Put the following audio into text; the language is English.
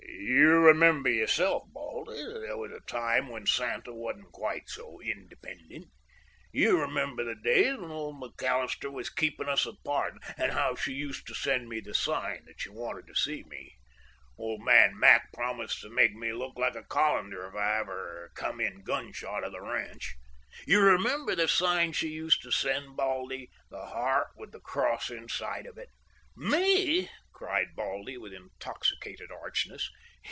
"You remember, yourself, Baldy, that there was a time when Santa wasn't quite so independent. You remember the days when old McAllister was keepin' us apart, and how she used to send me the sign that she wanted to see me? Old man Mac promised to make me look like a colander if I ever come in gun shot of the ranch. You remember the sign she used to send, Baldy—the heart with a cross inside of it?" "Me?" cried Baldy, with intoxicated archness.